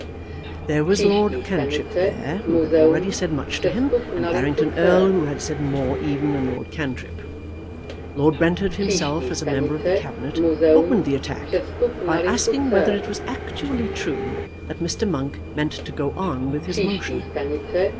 There was Lord Cantrip there, who had already said much to him, and Barrington Erle who had said more even than Lord Cantrip. Lord Brentford, himself a member of the Cabinet, opened the attack by asking whether it was actually true that Mr. Monk meant to go on with his motion.